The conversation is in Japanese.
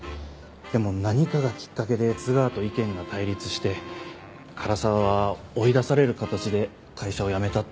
でも何かがきっかけで津川と意見が対立して唐沢は追い出される形で会社を辞めたって聞きました。